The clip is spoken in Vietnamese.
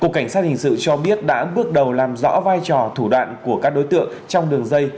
cục cảnh sát hình sự cho biết đã bước đầu làm rõ vai trò thủ đoạn của các đối tượng trong đường dây